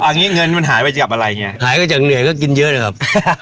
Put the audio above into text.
อันนี้เงินมันหายไปจากอะไรเนี่ยหายไปจากเหนื่อยก็กินเยอะเลยครับ